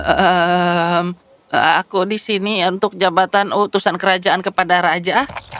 ehem aku disini untuk jabatan utusan kerajaan kepada raja